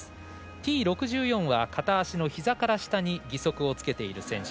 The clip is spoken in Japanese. Ｔ６４は片足のひざから下に義足をつけている選手。